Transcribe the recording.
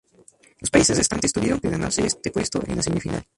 Los países restantes tuvieron que ganarse este puesto en la semifinal.